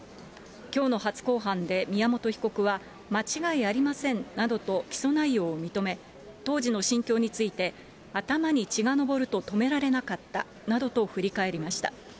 きょうの初公判で宮本被告は、間違いありませんなどと起訴内容を認め、当時の心境について、頭に血が上ると止められなかったなどと振り返りました。